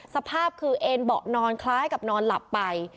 สภาพคือเอ็นเบาะนอนคล้ายกับนอนหลับไป